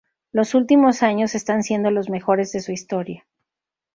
Los últimos años están siendo los mejores de su historia.